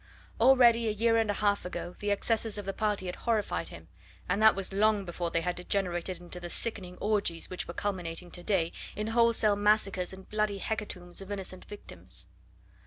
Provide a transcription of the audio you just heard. Already a year and a half ago the excesses of the party had horrified him, and that was long before they had degenerated into the sickening orgies which were culminating to day in wholesale massacres and bloody hecatombs of innocent victims.